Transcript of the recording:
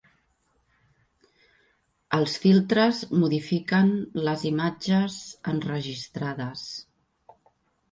Els filtres modifiquen les imatges enregistrades.